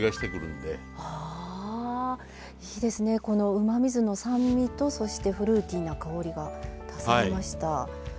このうまみ酢の酸味とそしてフルーティーな香りが足されました。